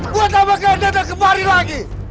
buat apa kalian datang kemari lagi